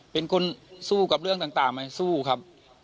เป็นคนสู้กับเรื่องต่างไหมสู้ครับ